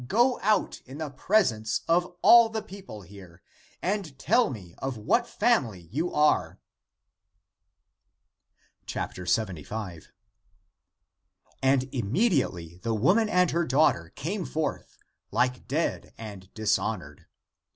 Go out in the presence of all the people here and tell me of what family you are!" 75. And immediately the woman and her daugh ter came forth, like dead and dishonored.